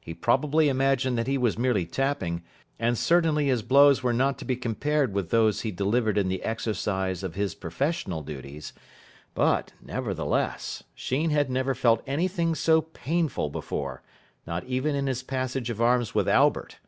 He probably imagined that he was merely tapping, and certainly his blows were not to be compared with those he delivered in the exercise of his professional duties; but, nevertheless, Sheen had never felt anything so painful before, not even in his passage of arms with Albert.